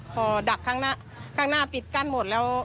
พอดักข้างหน้าปิดกั้นหมดแล้ว